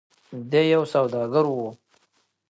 د ی یو سوداګر و.